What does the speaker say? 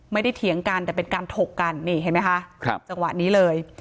ไม่ได้เถียงกันแต่เป็นการถกกันนี่เห็นมั้ยคะจังหวะนี้เลย